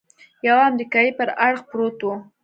يوه امريکايي پر اړخ پروت و.